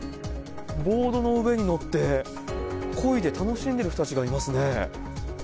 ボードの上に乗って、こいで楽しんでる人たちがいますね。